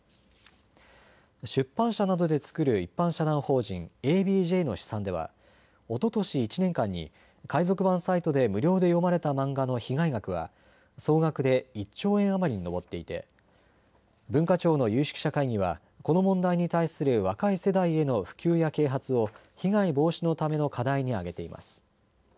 出版社などで作る一般社団法人ＡＢＪの試算ではおととし１年間に海賊版サイトで無料で読まれた漫画の被害額は総額で１兆円余りに上っていて文化庁の有識者会議はこの問題に対する若い世代への普及や啓発を被害防止のための課題に挙げています。